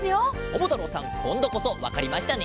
ももたろうさんこんどこそわかりましたね？